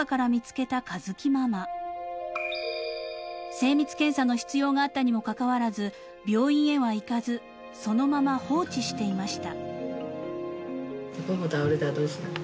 ［精密検査の必要があったにもかかわらず病院へは行かずそのまま放置していました］